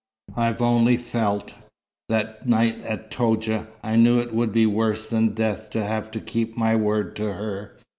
I've only felt. That night at Toudja, I knew it would be worse than death to have to keep my word to her.